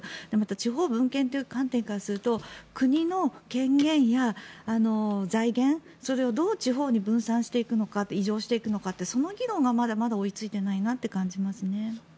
地方分権という観点からすると国の権限や財源それをどう地方に分散していくのか移譲していくのかというその議論がまだまだ追いついていないなと感じますね。